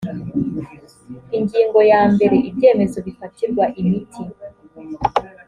ingingo yambere ibyemezo bifatirwa imiti